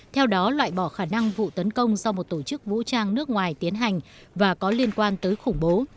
theo đó loại bỏ khả năng vụ tấn công do một tổ chức vũ trang nước ngoài tiến hành và có liên quan tới khủng bố